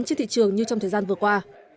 trên thị trường như trong thời gian vừa qua